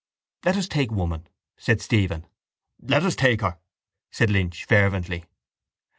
—Let us take woman, said Stephen. —Let us take her! said Lynch fervently.